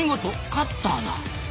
カッターだ。